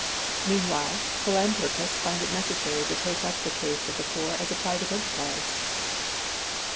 Meanwhile, philanthropists find it necessary to take up the case of the poor as a private enterprise."